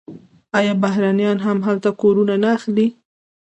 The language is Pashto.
آیا بهرنیان هم هلته کورونه نه اخلي؟